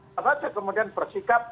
apalagi kemudian bersikap